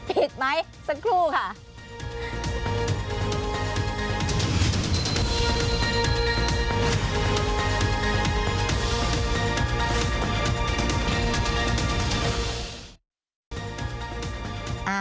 ผิดไหมสักครู่ค่ะ